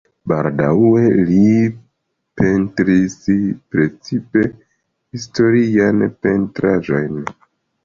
Baldaŭe li pentris precipe historiajn pentraĵojn.